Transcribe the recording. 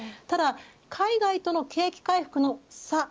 ただ海外との景気回復の差